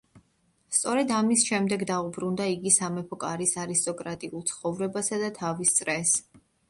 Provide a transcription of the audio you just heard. სწორედ ამის შემდეგ დაუბრუნდა იგი სამეფო კარის არისტოკრატიულ ცხოვრებასა და თავის წრეს.